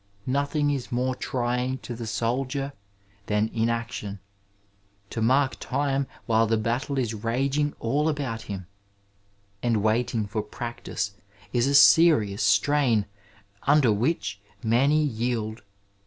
Nothing is more trying to the soldier than inaction, to mark time while the battle is raging all about him ; and waiting for practice is a serious strain under which many yield.